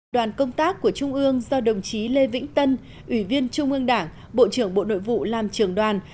đoàn công tác của trung ương do đồng chí lê vĩnh tân ủy viên trung ương đảng bộ trưởng bộ nội vụ làm trường đoàn